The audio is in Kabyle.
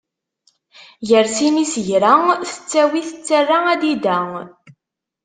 Gar sin n yisegra tettawi tettara adida.